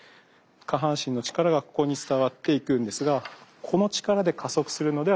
下半身の力がここに伝わっていくんですがこの力で加速するのではないということです。